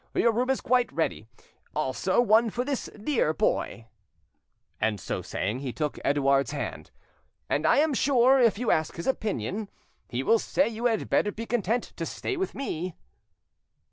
Your room is quite ready, also one for this dear boy," and so saying he took Edouard's hand; "and I am sure if you ask his opinion, he will say you had better be content to stay with me."